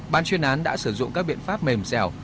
ban chuyên án đã sử dụng các biện pháp mềm dẻo